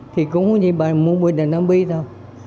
thì cũng như bà mua bình là nam bi thôi